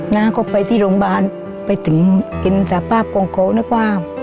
น้าก็ไปที่โรงพยาบาลไปถึงเห็นสภาพของเขานะป้า